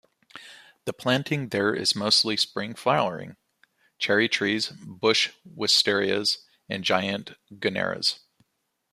The planting there is mostly spring-flowering: cherry trees, bush wisterias and giant gunneras.